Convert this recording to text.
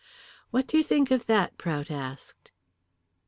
"What do you think of that?" Prout asked.